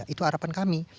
itu harapan kami